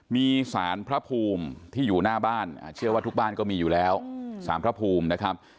มีสารพระภูมิที่อยู่หน้าบ้านเชื่อว่าทุกบ้านก็มีอยู่แล้วสารพระภูมินะครับ